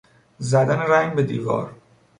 زدن رنگ به دیوار